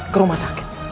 ke rumah sakit